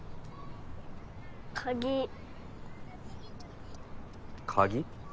鍵鍵？